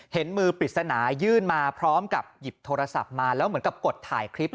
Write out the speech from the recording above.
เห็นมือปริศนายื่นมาพร้อมกับหยิบโทรศัพท์มาแล้วเหมือนกับกดถ่ายคลิป